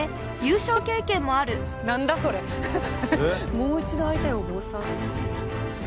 「もう一度あいたいお坊さん」？